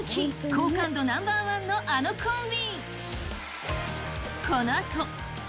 好感度ナンバー１のあのコンビ！